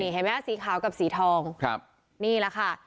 เห็นไหมสีขาวกับสีทองนี่แหละค่ะ